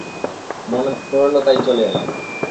মনে ধরল তাই চলে এলাম।